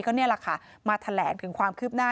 ก็นี่แหละค่ะมาแถลงถึงความคืบหน้า